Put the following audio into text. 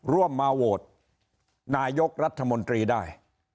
ร่วมมาโหวตนายกรัฐมนตรีได้